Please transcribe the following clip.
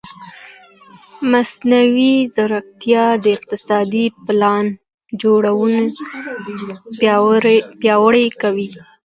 مصنوعي ځیرکتیا د اقتصادي پلان جوړونه پیاوړې کوي.